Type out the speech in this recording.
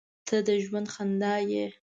• ته د ژوند خندا یې.